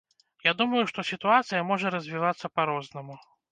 Я думаю, што сітуацыя можа развівацца па-рознаму.